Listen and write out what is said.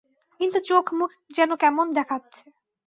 কিন্তু চোখ-মুখ যেন কেমন দেখাচ্ছে।